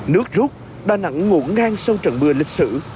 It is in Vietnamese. nước rút đà nẵng ngủ ngang sau trận mưa lịch sử